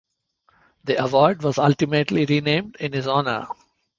The award was ultimately renamed in his honor.